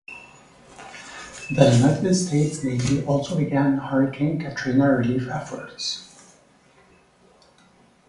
The United States Navy also began Hurricane Katrina relief efforts.